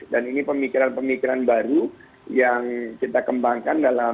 dan ini pemikiran pemikiran baru yang kita kembangkan dalam